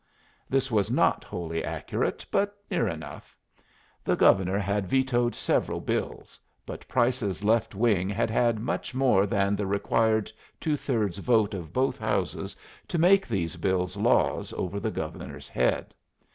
This was not wholly accurate, but near enough. The Governor had vetoed several bills, but Price's Left Wing had had much more than the required two thirds vote of both Houses to make these bills laws over the Governor's head.